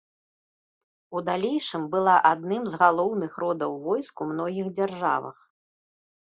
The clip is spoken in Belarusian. У далейшым была адным з галоўных родаў войск у многіх дзяржавах.